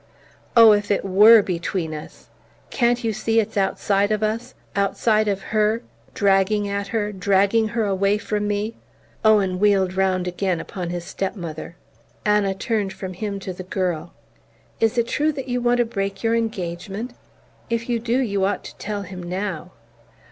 "Oh, if it WERE between us! Can't you see it's outside of us outside of her, dragging at her, dragging her away from me?" Owen wheeled round again upon his step mother. Anna turned from him to the girl. "Is it true that you want to break your engagement? If you do, you ought to tell him now."